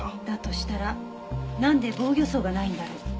だとしたらなんで防御創がないんだろう？